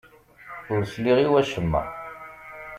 Ur sliɣ i wacemma.